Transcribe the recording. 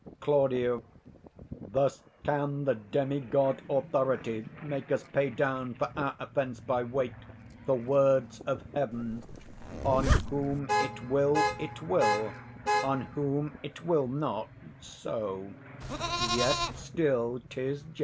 Claud. Thus can the demigod Authority Make us pay down for our offence by weight 115 The words of heaven; on whom it will, it will; On whom it will not, so; yet still 'tis just.